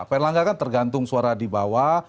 pak erlangga kan tergantung suara di bawah